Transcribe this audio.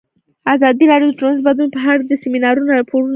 ازادي راډیو د ټولنیز بدلون په اړه د سیمینارونو راپورونه ورکړي.